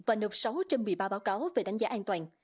và nộp sáu trên một mươi ba báo cáo về đánh giá an toàn